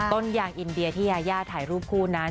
ต้นยางอินเดียที่ยายาถ่ายรูปคู่นั้น